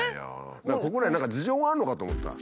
国内何か事情があるのかと思った。